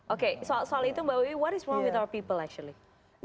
oke soal itu mbak wibi apa yang salah dengan orang orang kita sebenarnya